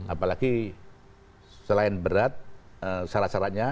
apalagi selain berat syarat syaratnya